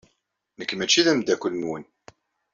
Nekk maci d ameddakel-nwen.